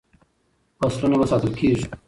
فصلونه به ساتل کیږي.